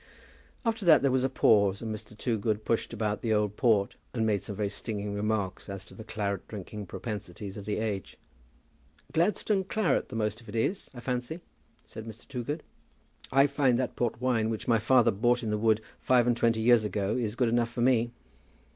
After that there was a pause, and Mr. Toogood pushed about the old port, and made some very stinging remarks as to the claret drinking propensities of the age. "Gladstone claret the most of it is, I fancy," said Mr. Toogood. "I find that port wine which my father bought in the wood five and twenty years ago is good enough for me."